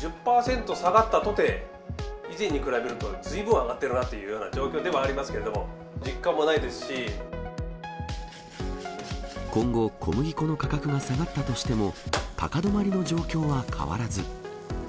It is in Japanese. １０％下がったとて、以前に比べるとずいぶん上がってるなっていうような状況ではあり今後、小麦粉の価格が下がったとしても、高止まりの状況は変わらず。